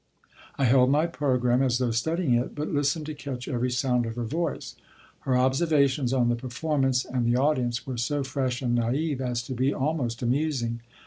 I held my program as though studying it, but listened to catch every sound of her voice. Her observations on the performance and the audience were so fresh and naïve as to be almost amusing.